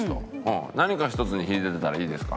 何か１つに秀でてたらいいですか？